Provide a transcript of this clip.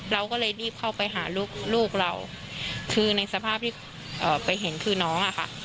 เราก็เลยรีบเข้าไปหาลูกเราคือในสภาพที่ไปเห็นคือน้องอะค่ะ